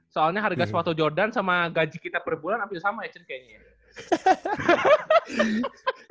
soalnya harga sepatu jordan sama gaji kita per bulan hampir sama ya cun kayaknya